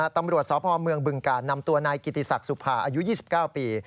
ตำรวจสพเมืองบึงการนำตัวนายกิติศักดิ์สุภาอายุ๒๙ปี